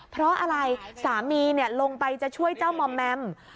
เพราะอะไรสามีลงไปจะช่วยเจ้ามอมแมม